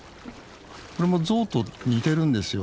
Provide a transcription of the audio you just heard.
これもゾウと似てるんですよ。